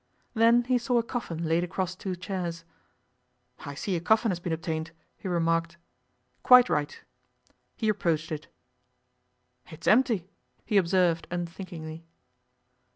Then he saw a coffin laid across two chairs. 'I see a coffin has been obtained,' he remarked. 'Quite right' He approached it. 'It's empty,' he observed unthinkingly.